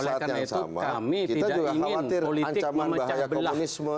oleh karena itu kami tidak ingin politik memecah belah